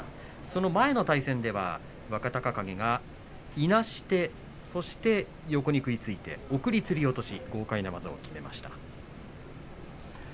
その前の対戦では若隆景がいなしてそして横に食いついての送りつり落とし、豪快な技をきめました。